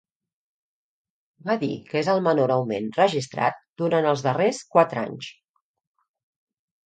Val a dir que és el menor augment registrat durant els darrers quatre anys.